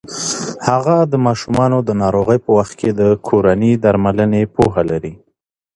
هغه د ماشومانو د ناروغۍ په وخت کې د کورني درملنې پوهه لري.